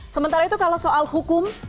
sementara itu kalau soal hukum